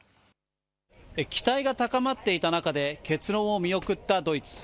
期待が高まっていた中で、結論を見送ったドイツ。